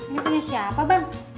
ini punya siapa bang